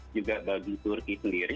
juga bagi turki sendiri